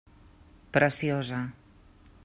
Preciosa.